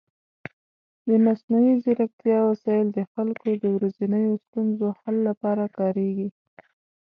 د مصنوعي ځیرکتیا وسایل د خلکو د ورځنیو ستونزو حل لپاره کارېږي.